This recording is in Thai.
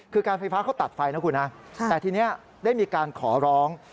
คือการไฟฟ้าเขาตัดไฟนะคุณนะแต่ทีนี้ได้มีการขอร้อง